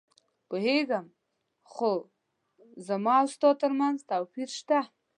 پوهېږم، خو زما او ستا ترمنځ توپیر شته.